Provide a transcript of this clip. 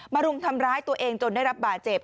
รุมทำร้ายตัวเองจนได้รับบาดเจ็บ